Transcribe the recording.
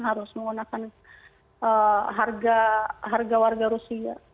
harus menggunakan harga warga rusia